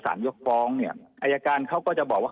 ยกฟ้องเนี่ยอายการเขาก็จะบอกว่า